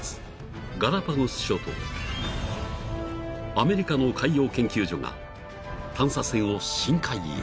［アメリカの海洋研究所が探査船を深海へ］